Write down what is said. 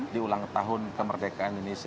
di ulang tahun kemerdekaan indonesia